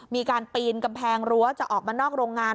มีการปีนกำแพงรั้วจะออกมานอกโรงงาน